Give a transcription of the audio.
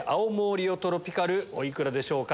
お幾らでしょうか？